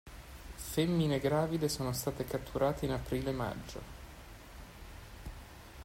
Femmine gravide sono state catturate in aprile e maggio.